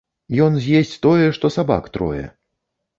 Ён з'есць тое, што сабак трое.